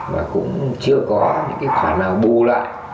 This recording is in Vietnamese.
và cũng chưa có những cái khoản nào bù lại